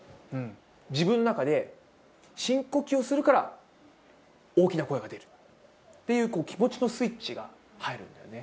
自分の中で、深呼吸をするから大きな声が出たっていう気持ちのスイッチが入るんだよね。